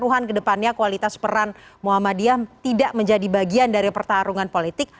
keluhan ke depannya kualitas peran muhammadiyah tidak menjadi bagian dari pertarungan politik